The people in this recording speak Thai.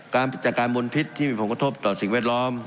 จัดการมนพิษที่มีผลกระทบต่อสิ่งแวดล้อม